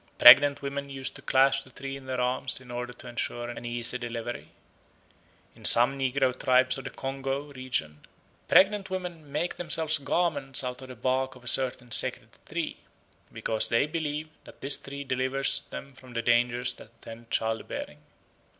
Pregnant women used to clasp the tree in their arms in order to ensure an easy delivery. In some negro tribes of the Congo region pregnant women make themselves garments out of the bark of a certain sacred tree, because they believe that this tree delivers them from the dangers that attend child bearing.